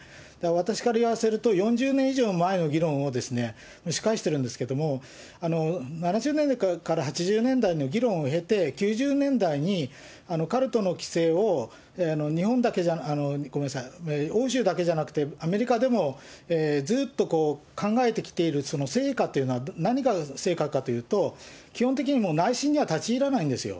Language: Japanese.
私から言わせると、４０年以上前の議論を蒸し返してるんですけど、７０年代から８０年代の議論を経て、９０年代にカルトの規制を日本だけじゃ、ごめんなさい、欧州だけじゃなくて、アメリカでもずっと考えてきているその成果というのは、何が成果かというと、基本的にもう内心には立ち入らないんですよ。